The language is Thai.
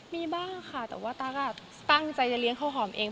มีบ้างค่ะแต่ว่าตั๊กตั้งใจจะเลี้ยงข้าวหอมเอง